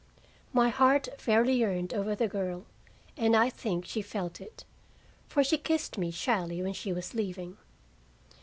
My heart fairly yearned over the girl, and I think she felt it. For she kissed me, shyly, when she was leaving.